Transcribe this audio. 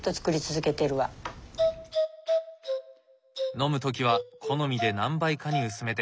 飲む時は好みで何倍かに薄めて。